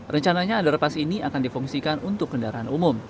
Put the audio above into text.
rencananya andar pas ini akan difungsikan untuk kendaraan umum